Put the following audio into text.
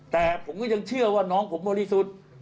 แต่ผมก็ยังเชื่อว่าน้องผมบริสุทธิ์